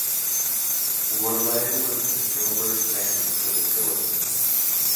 Bouillet was in Gilbert's band for the tour.